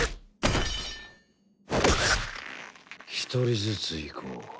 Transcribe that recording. １人ずついこう。